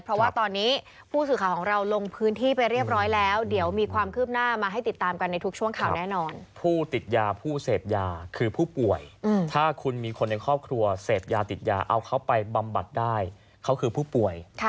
เพราะว่าตอนนี้ผู้สื่อข่าวของเราลงพื้นที่ไปเรียบร้อยแล้ว